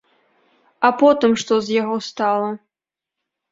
А потым што з яго стала?